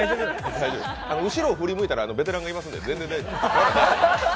後ろ振り向いたらベテランがいるんで大丈夫。